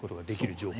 情報